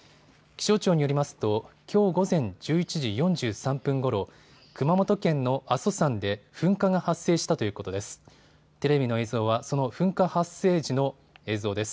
気象庁によりますときょう午前１１時４３分ごろ、熊本県の阿蘇山で噴火が発生したということです。